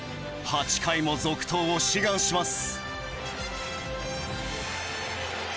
８回も続投を志願します。